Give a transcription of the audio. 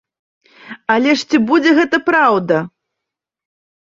Але ж ці будзе гэта праўда?